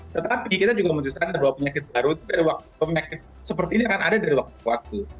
tetapi kita juga menyesal ada dua penyakit baru seperti ini akan ada dari waktu ke waktu